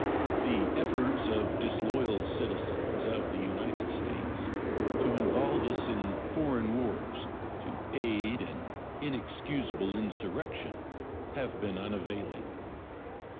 The efforts of disloyal citizens of the United States to involve us in foreign wars to aid an inexcusable insurrection have been unavailing.